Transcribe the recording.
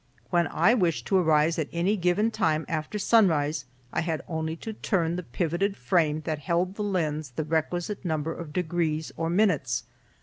When I wished to arise at any given time after sunrise, I had only to turn the pivoted frame that held the lens the requisite number of degrees or minutes.